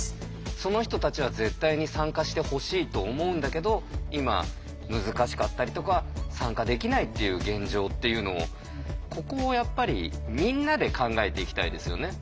その人たちは絶対に参加してほしいと思うんだけど今難しかったりとか参加できないっていう現状っていうのをここをやっぱりみんなで考えていきたいですよね。